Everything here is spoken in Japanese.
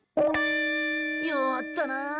弱ったなあ。